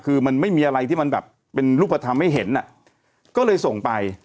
คือมันไม่มีอะไรที่มันแบบเป็นรูปธรรมให้เห็นอ่ะก็เลยส่งไป